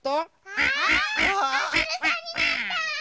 ああひるさんになった！